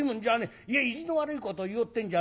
いや意地の悪いことを言おうってんじゃねえんだ。